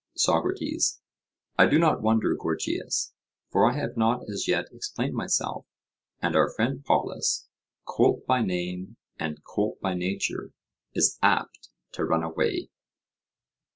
SOCRATES: I do not wonder, Gorgias; for I have not as yet explained myself, and our friend Polus, colt by name and colt by nature, is apt to run away.